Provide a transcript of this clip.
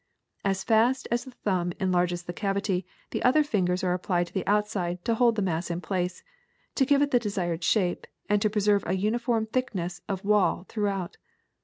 As fast as the thumb enlarges the cavity the other fingers are applied to the outside to hold the mass in place, to give it the desired shape, and to preserve a uniform thickness of wall through out.